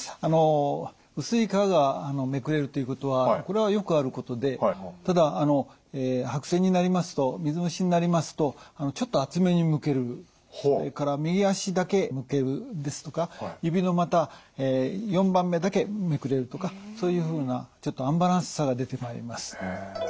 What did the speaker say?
薄い皮がめくれるっていうことはこれはよくあることでただ白癬になりますと水虫になりますとちょっと厚めにむけるそれから右足だけむけるですとか指のまた４番目だけめくれるとかそういうふうなちょっとアンバランスさが出てまいります。